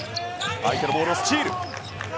相手のボールをスチール。